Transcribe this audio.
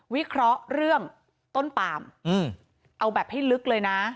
วิเคราะห์เรื่องต้นปามเอาแบบให้ลึกเลยนะ